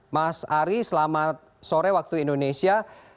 mas ari selamat sore waktu indonesia